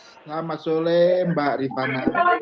selamat sore mbak rifana